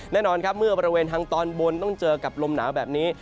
แน่นอนครับเมื่อบริเวณทางตอนบนต้องเจอกับลมหนาวแบบนี้